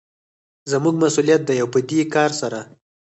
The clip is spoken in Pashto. زموږ مسوليت دى او په دې کار سره